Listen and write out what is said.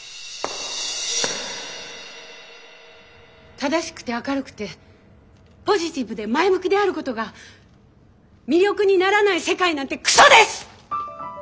正しくて明るくてポジティブで前向きであることが魅力にならない世界なんてくそです！